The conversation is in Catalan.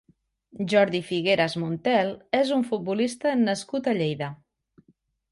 Jordi Figueras Montel és un futbolista nascut a Lleida.